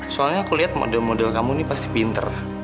soalnya aku lihat model model kamu ini pasti pinter